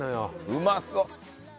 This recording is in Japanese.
うまそう！